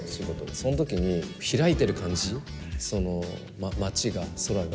そのときに開いてる感じ、その街が、空が。